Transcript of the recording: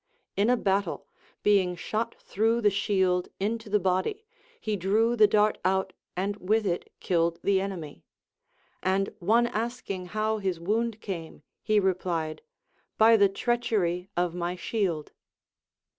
In a battle, being shot through the shield into the bodv, he drew the dart out and with it killed the enemy. And one asking how his wound came, he replied. By the treachery of my shield.